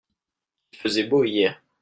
Il faisait beau hier.